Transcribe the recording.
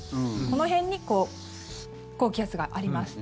この辺に高気圧があります。